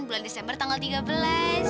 bulan desember tanggal tiga belas